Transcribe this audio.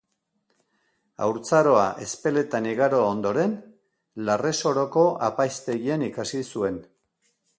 Haurtzaroa Ezpeletan igaro ondoren, Larresoroko apaiztegian ikasi zuen.